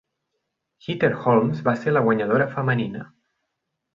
Heather Holmes va ser la guanyadora femenina.